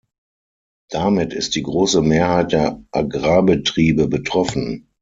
Damit ist die große Mehrheit der Agrarbetriebe betroffen.